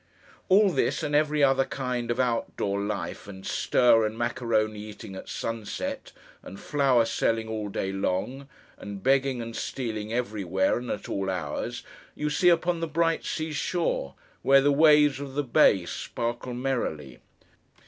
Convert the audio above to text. All this, and every other kind of out door life and stir, and macaroni eating at sunset, and flower selling all day long, and begging and stealing everywhere and at all hours, you see upon the bright sea shore, where the waves of the bay sparkle merrily.